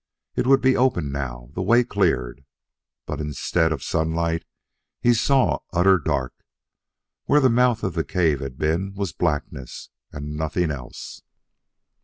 It would be open now, the way cleared. But, instead of sunlight, he saw utter dark. Where the mouth of the cave had been was blackness and nothing else!